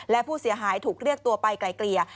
และผู้เสียหายถูกเรียกตัวไปไกลเกลี่ย